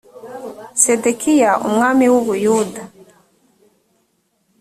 sedekiya umwami w u buyuda